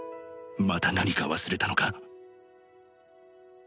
また何か忘れたのか？